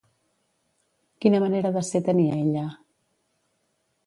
Quina manera de ser tenia ella?